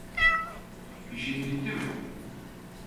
İşin bitti mi?